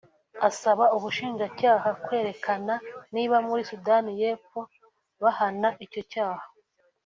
asaba ubushinjacyaha kwerekana niba muri Sudani y’Epfo bahana icyo cyaha